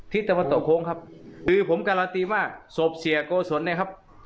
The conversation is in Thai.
ตะวันตกโค้งครับคือผมการันตีว่าศพเสียโกศลเนี่ยครับ